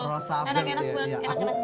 rosa afgan tuh ya